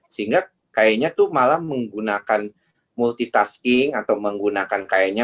sehingga kayaknya tuh malah menggunakan multitasking atau menggunakan kayaknya